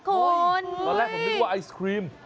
คุณตอนแรกผมนึกว่าไอศครีม